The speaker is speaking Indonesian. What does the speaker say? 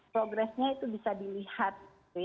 progresnya itu bisa dilihat